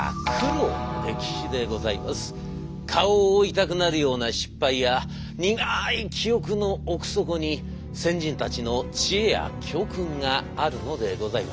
顔を覆いたくなるような失敗や苦い記憶の奥底に先人たちの知恵や教訓があるのでございましょう。